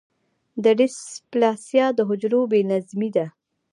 د ډیسپلاسیا د حجرو بې نظمي ده.